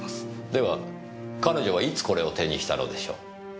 では彼女はいつこれを手にしたのでしょう？